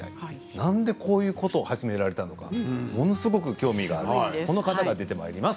なんでこういうことを始められたのかものすごく興味がある、この方が出てまいります。